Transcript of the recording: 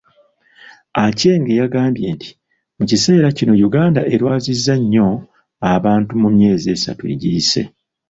Acheng yagambye nti mu kiseera kino Uganda erwazizza nnyo abantu mu myezi esatu egiyise.